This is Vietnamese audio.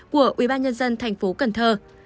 của ubnd thành phố cần thơ